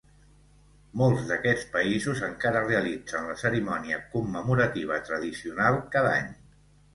Molts d'aquests països encara realitzen la cerimònia commemorativa tradicional cada any.